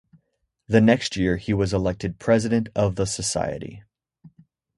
The next year he was elected President of the Society.